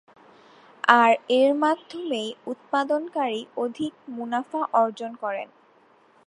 আর এর মাধ্যমেই উৎপাদনকারী অধিক মুনাফা অর্জন করেন।